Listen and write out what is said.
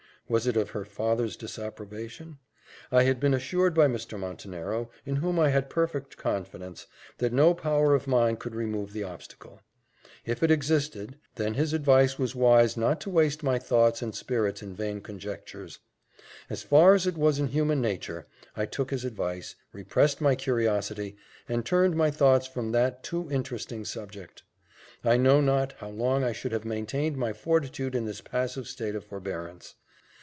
was it of her father's disapprobation? I had been assured by Mr. Montenero, in whom I had perfect confidence, that no power of mine could remove the obstacle, if it existed then his advice was wise not to waste my thoughts and spirits in vain conjectures. As far as it was in human nature, I took his advice, repressed my curiosity, and turned my thoughts from that too interesting subject. I know not how long I should have maintained my fortitude in this passive state of forbearance.